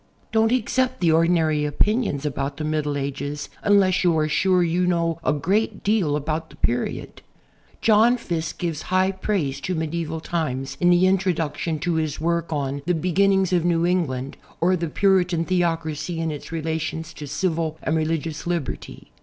Don't accept the ordinary opinions about the Middle Ages unless you are sure you know a great deal about that period. John Fiske gives high i)raise to medieval times in the introduction to his work on "The Beginnings of New England, or the Puritan Theocracy in Its Relations to Civil and Religious Liberty."